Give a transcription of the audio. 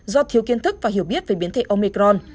do thiếu kiến thức và hiểu biết về biến thể omecron